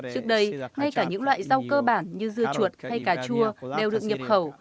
trước đây ngay cả những loại rau cơ bản như dưa chuột hay cà chua đều được nhập khẩu